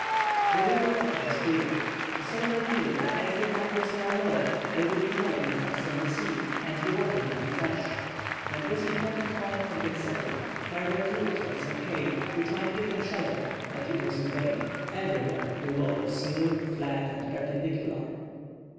The river water was clear. The sailor knew that as the tide was now low there would be no influx from the sea, and the water would be fresh. When this important point had been settled, Herbert looked for some cave which might give them shelter, but it was in vain. Everywhere the wall was smooth, flat, and perpendicular.